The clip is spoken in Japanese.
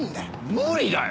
無理だよ！